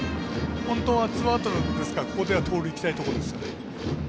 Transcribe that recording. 本当はツーアウトですからここでは盗塁いきたいところですよね。